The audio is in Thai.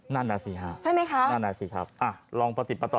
นั่นนะสิครับนั่นนะสิครับอ่ะลองประติดประต่อ